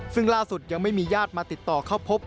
ซึ่งล่าสุดยังไม่มีญาติมาติดต่อเข้าพบ